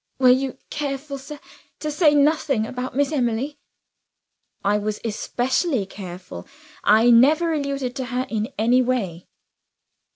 "Were you careful, sir, to say nothing about Miss Emily?" "I was especially careful; I never alluded to her in any way."